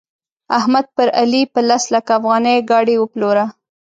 احمد پر علي په لس لکه افغانۍ ګاډي وپلوره.